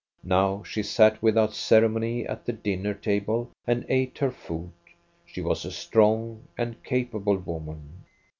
Now she sat without ceremony at the dinner table and ate her food ; she was a strong and capable woman.